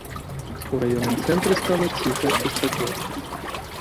У раённым цэнтры стала ціха і спакойна.